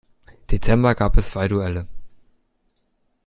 Dezember gab es zwei Duelle.